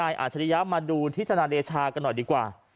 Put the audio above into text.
อาจริยะมาดูที่ทนายเดชากันหน่อยดีกว่า